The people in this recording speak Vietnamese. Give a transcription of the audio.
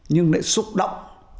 nhưng lại xúc động